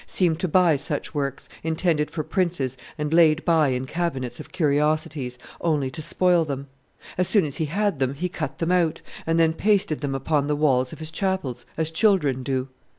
seemed to buy such works, intended for princes and laid by in cabinets of curiosities, only to spoil them; as soon as he had them, he cut them out, and then pasted them upon the walls of his chapels, as children do.